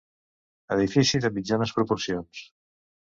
Edifici de mitjanes proporcions.